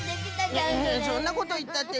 そんなこといったって。